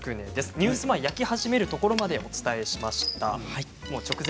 ニュース前に焼き始めるところまでお伝えしました。